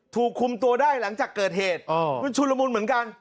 ถูกคุมตัวได้หลังจากเกิดเหตุมันชุนละมุนเหมือนกัน